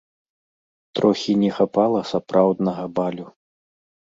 Трохі не хапала сапраўднага балю.